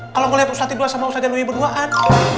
kalau gue liat ustadz tidur sama ustadz dan luwi berduaan